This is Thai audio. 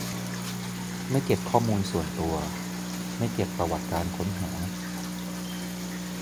ไม่เก็บข้อมูลส่วนตัว ไม่เก็บประวัติการค้นหา